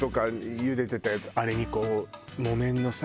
あれに木綿のさ